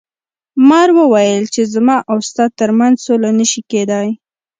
مار وویل چې زما او ستا تر منځ سوله نشي کیدی.